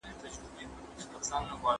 موږ هيله من يو.